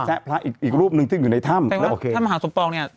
อ่าอีกรูปหนึ่งซึ่งอยู่ในทำคุณแทนว่าท่านมหาสมปองเนี้ย